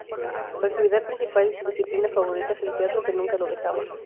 Su actividad principal y su disciplina favorita es el teatro, que nunca lo dejaba.